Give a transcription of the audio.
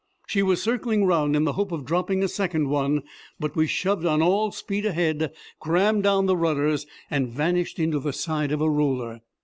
She was circling round in the hope of dropping a second one, but we shoved on all speed ahead, crammed down the rudders, and vanished into the side of a roller.